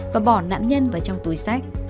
lấy nạn nhân vào trong túi sách